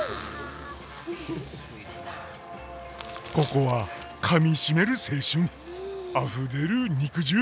ここはかみしめる青春あふれる肉汁！